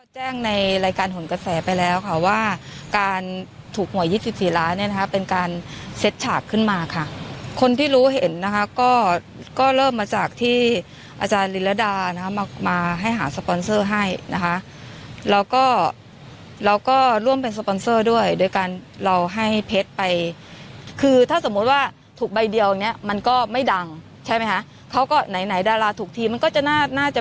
แจ้งในรายการหนกระแสไปแล้วค่ะว่าการถูกหวย๒๔ล้านเนี่ยนะคะเป็นการเซ็ตฉากขึ้นมาค่ะคนที่รู้เห็นนะคะก็ก็เริ่มมาจากที่อาจารย์ลิรดานะคะมามาให้หาสปอนเซอร์ให้นะคะแล้วก็เราก็ร่วมเป็นสปอนเซอร์ด้วยโดยการเราให้เพชรไปคือถ้าสมมุติว่าถูกใบเดียวเนี้ยมันก็ไม่ดังใช่ไหมคะเขาก็ไหนไหนดาราถูกทีมมันก็จะ